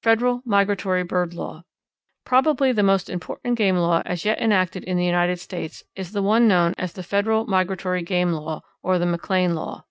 Federal Migratory Bird Law. Probably the most important game law as yet enacted in the United States is the one known as the Federal Migratory Game Law or the McLean Law.